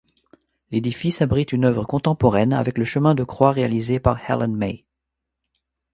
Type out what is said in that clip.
L'édifice abrite une œuvre contemporaine avec le chemin de croix réalisé par Helen Mai.